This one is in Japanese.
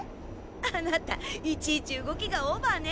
あなたいちいち動きがオーバーね。